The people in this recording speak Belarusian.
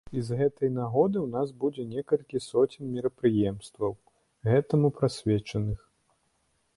І з гэтай нагоды ў нас будзе некалькі соцень мерапрыемстваў, гэтаму прысвечаных.